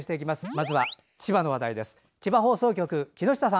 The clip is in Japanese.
まずは千葉の話題です。